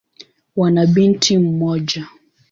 Wana binti mmoja.